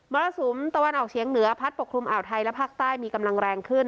รสุมตะวันออกเฉียงเหนือพัดปกคลุมอ่าวไทยและภาคใต้มีกำลังแรงขึ้น